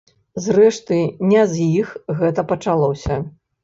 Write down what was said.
Зрэшты, не з іх гэта пачалося.